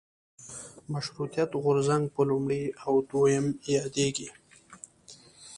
مشروطیت غورځنګ په لومړي او دویم یادېږي.